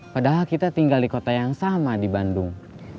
padahal kita tinggal di kota yang sama di bandung